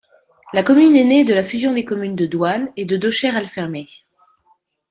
La commune est née de la fusion des communes de Douanne et de Daucher-Alfermée.